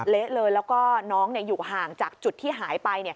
เละเลยแล้วก็น้องอยู่ห่างจากจุดที่หายไป